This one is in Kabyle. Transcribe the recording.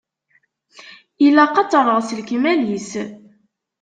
Ilaq ad terɣ s lekmal-is.